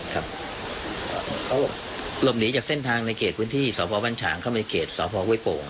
เขาหลบหนีจากเส้นทางในเขตพื้นที่สพบ้านฉางเข้ามาในเขตสพห้วยโป่ง